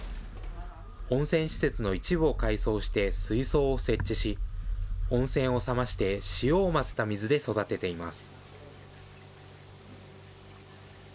温泉施設の一部を改装して、水槽を設置し、温泉を冷まして塩を混ぜた水で育てています。